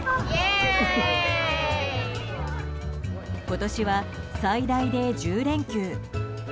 今年は最大で１０連休。